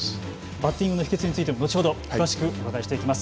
バッティングの秘訣についても後ほど詳しくお伺いしていきます。